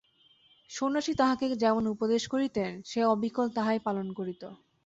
সন্ন্যাসী তাহাকে যেমন উপদেশ করিতেন সে অবিকল তাহাই পালন করিত।